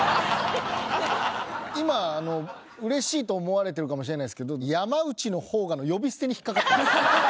今嬉しいと思われてるかもしれないですけど「山内の方が」の呼び捨てに引っかかってます。